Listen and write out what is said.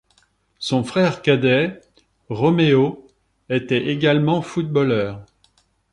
Son frère cadet, Romeo, était également footballeur.